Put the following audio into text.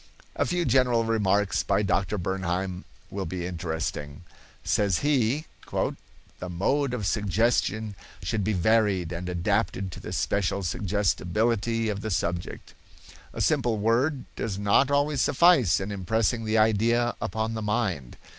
A few general remarks by Dr. Bernheim will be interesting. Says he: "The mode of suggestion should be varied and adapted to the special suggestibility of the subject. A simple word does not always suffice in impressing the idea upon the mind.